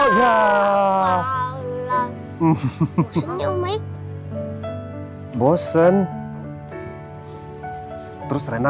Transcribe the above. si buruk rupa